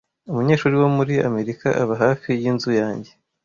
Umunyeshuri wo muri Amerika aba hafi yinzu yanjye.